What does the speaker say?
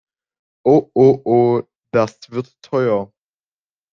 Oh oh oh, das wird teuer!